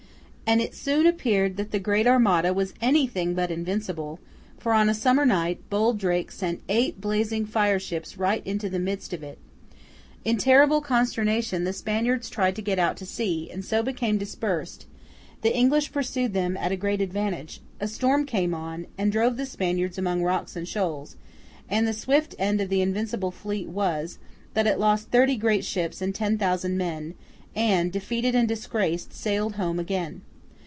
And it soon appeared that the great Armada was anything but invincible, for on a summer night, bold Drake sent eight blazing fire ships right into the midst of it. In terrible consternation the Spaniards tried to get out to sea, and so became dispersed; the English pursued them at a great advantage; a storm came on, and drove the Spaniards among rocks and shoals; and the swift end of the Invincible fleet was, that it lost thirty great ships and ten thousand men, and, defeated and disgraced, sailed home again.